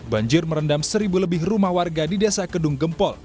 banjir merendam seribu lebih rumah warga di desa kedung gempol